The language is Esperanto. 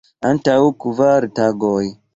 Antaŭ kvar tagoj.